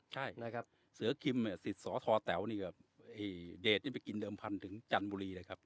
ใช่นะครับเสือคิมสิทธิ์สอทอแต๋วนี่กับเดชนี่ไปกินเดิมพันธุ์ถึงจันบุรีเลยครับ